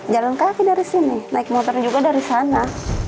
jalan kaki dari sini naik motor juga dari sana